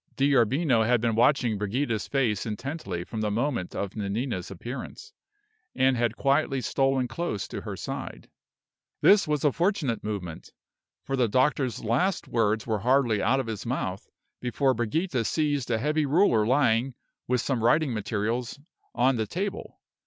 D'Arbino had been watching Brigida's face intently from the moment of Nanina's appearance, and had quietly stolen close to her side. This was a fortunate movement; for the doctor's last words were hardly out of his mouth before Brigida seized a heavy ruler lying, with some writing materials, on the table.